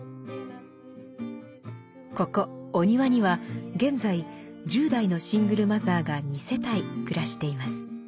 ここおにわには現在１０代のシングルマザーが２世帯暮らしています。